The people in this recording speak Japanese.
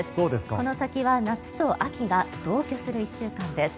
この先は夏と秋が同居する１週間です。